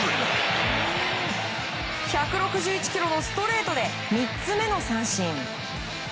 １６１キロのストレートで３つ目の三振！